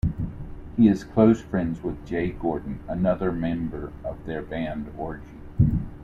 He is close friends with Jay Gordon, another member of their band Orgy.